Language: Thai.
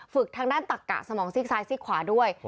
ทางด้านตักกะสมองซีกซ้ายซีกขวาด้วย